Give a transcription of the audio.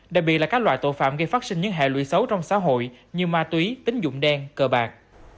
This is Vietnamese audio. đặc biệt là các loại tội phạm gây phát sinh những hệ lụy xấu trong xã hội như ma túy tính dụng đen cờ bạc